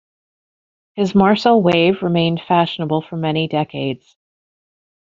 His Marcel Wave remained fashionable for many decades.